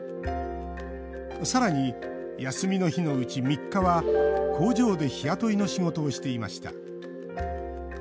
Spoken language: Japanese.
さらに休みの日のうち３日は工場で日雇いの仕事をしていました。